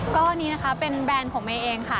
ก็นี่นะคะเป็นแบรนด์ของเมย์เองค่ะ